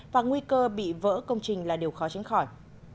và nguy cơ bị vỡ công trình là điều khó tránh khỏi